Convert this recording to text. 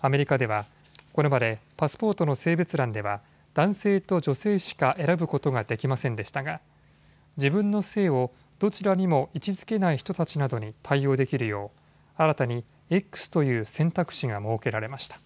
アメリカではこれまでパスポートの性別欄では男性と女性しか選ぶことができませんでしたが自分の性をどちらにも位置づけない人たちなどに対応できるよう新たにＸという選択肢が設けられました。